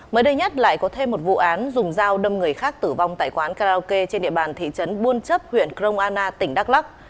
mới đây nhất lại có thêm một vụ án dùng dao đâm người khác tử vong tại quán karaoke trên địa bàn thị trấn buôn chấp huyện krong anna tỉnh đắk lắc